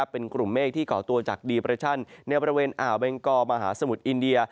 เป็นกลุ่มเมฆที่ก่อตัวจากดีบันทรัศนิเวณอาเหว์เบงกอมหาสมุทรอินเดีย